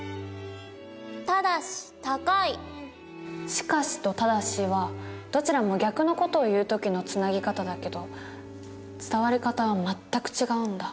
「しかし」と「ただし」はどちらも逆の事を言う時のつなぎ方だけど伝わり方は全く違うんだ。